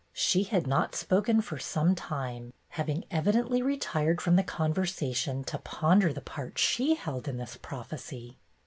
She had not spoken for some time, having evidently retired from the con versation to ponder the part she held in this prophecy.